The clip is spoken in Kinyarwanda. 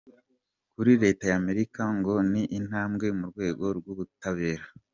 Kuri Leta y’Amerika ngo ni intambwe mu rwego rw’ubutabera.